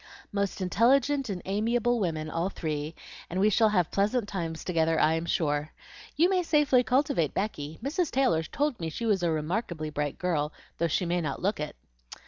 "Most intelligent and amiable women all three, and we shall have pleasant times together, I am sure. You may safely cultivate Becky; Mrs. Taylor told me she was a remarkably bright girl, though she may not look it."